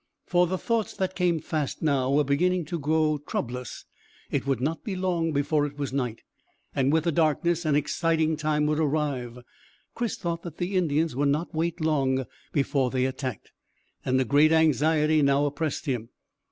For the thoughts that came fast now were beginning to grow troublous. It would not be long before it was night, and with the darkness an exciting time would arrive. Chris thought that the Indians would not wait long before they attacked, and a great anxiety now oppressed him.